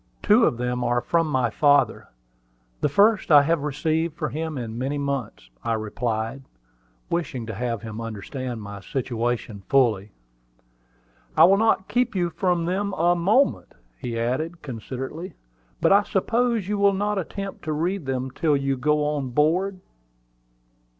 Two of them are from my father the first I have received from him for many months," I replied, wishing to have him understand my situation fully. "I will not keep you from them a moment," he added, considerately. "But I suppose you will not attempt to read them till you go on board?"